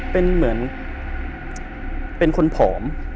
เป็นเหมือนเป็นคนผอม